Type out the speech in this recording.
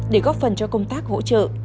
để góp phần cho công tác hỗ trợ